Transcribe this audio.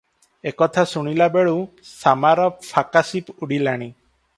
ଏ କଥା ଶୁଣିଲାବେଳୁଁ ଶାମାର ଫାକାଶି ଉଡ଼ିଲାଣି ।